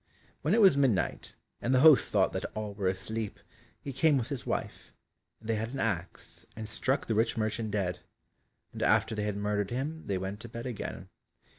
When it was midnight, and the host thought that all were asleep, he came with his wife, and they had an axe and struck the rich merchant dead; and after they had murdered him they went to bed again.